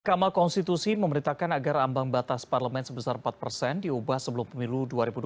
kamal konstitusi memerintahkan agar ambang batas parlemen sebesar empat diubah sebelum pemilu dua ribu dua puluh sembilan